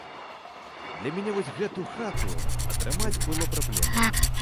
Для мяне вось гэту хату атрымаць было праблемай.